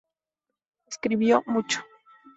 Escribió mucho.